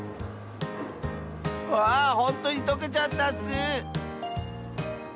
わあほんとにとけちゃったッス！